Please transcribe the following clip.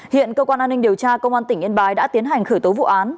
hiện cơ quan an ninh điều tra công an tỉnh yên bái đã tiến hành khởi tố vụ án